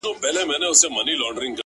• نصیب د جهاني له ستوني زور دی تښتولی,